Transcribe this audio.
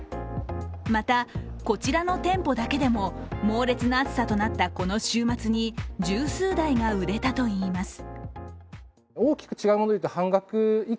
また、こちらの店舗だけでも猛烈な暑さとなったこの週末に十数台が売れたといいます。